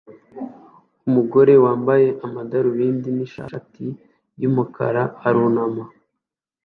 Umugore wambaye amadarubindi nishati yumukara arunama